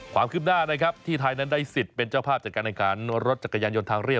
ความคลิปหน้าที่ไทยได้สิทธิ์เป็นเจ้าภาพจากการอันขันรถจักรยานยนต์ทางเรียบ